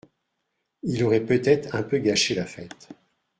Il aurait peut-être un peu gâché la fête.